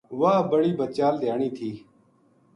واہ بڑی بدچال دھیانی تھی